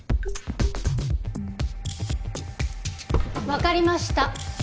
わかりました。